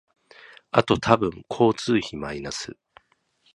あと多分交通費マイナス